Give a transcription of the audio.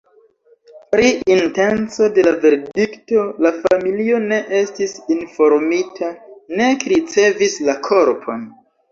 Pri intenco de la verdikto la familio ne estis informita, nek ricevis la korpon.